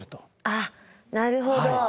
あっなるほど。